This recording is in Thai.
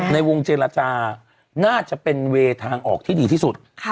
ในวงเจรจาน่าจะเป็นเวย์ทางออกที่ดีที่สุด